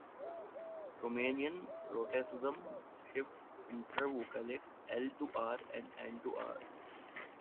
Romanian rhotacism shifts intervocalic "l" to "r" and "n" to "r".